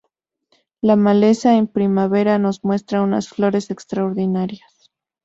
La maleza en primavera, nos muestra unas flores extraordinarias.